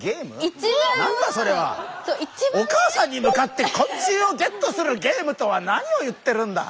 お母さんに向かって昆虫をゲットするゲームとは何を言ってるんだ。